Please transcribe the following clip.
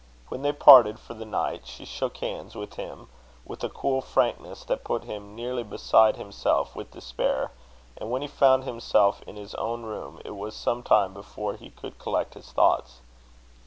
When they parted for the night, she shook hands with him with a cool frankness, that put him nearly beside himself with despair; and when he found himself in his own room, it was some time before he could collect his thoughts.